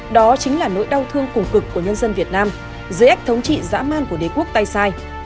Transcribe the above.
đó chính là nỗi đau thương cùng cực của nhân dân việt nam dưới ách thống trị dã man của đế quốc tay sai